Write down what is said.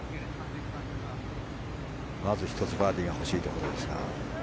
まず１つ、バーディーが欲しいところですが。